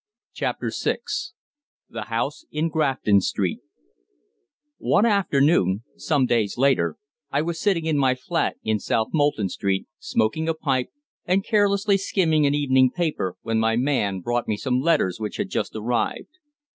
CHAPTER VI THE HOUSE IN GRAFTON STREET One afternoon, some days later, I was sitting in my flat in South Molton Street, smoking a pipe and carelessly skimming an evening paper, when my man brought me some letters which had just arrived.